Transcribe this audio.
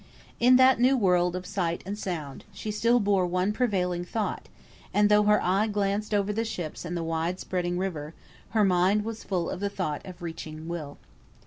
In that new world of sight and sound, she still bore one prevailing thought, and though her eye glanced over the ships and the wide spreading river, her mind was full of the thought of reaching Will.